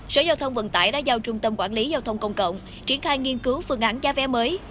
sở giao thông vận tải đã giao trung tâm quản lý giao thông công cộng triển khai nghiên cứu phương án giá vé mới